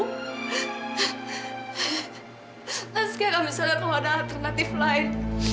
habis sekarang misalnya kalau ada alternatif lain